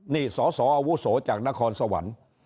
นี่สสอาวุโสจากนครสวรรค์